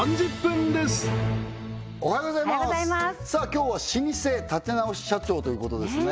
今日は老舗立て直し社長ということですね